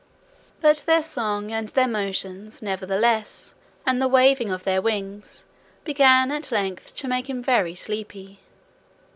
But their song and their motions, nevertheless, and the waving of their wings, began at length to make him very sleepy.